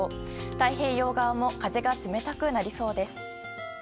太平洋側も風が冷たくなりそうです。